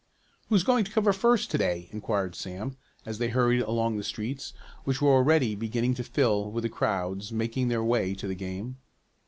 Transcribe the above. "Who's going to cover first to day?" inquired Sam, as they hurried along the streets, which were already beginning to fill with the crowds making their way to the game.